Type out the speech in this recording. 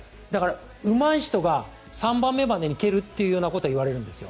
うまい人が３番目までに蹴るっていうことは言われるんです。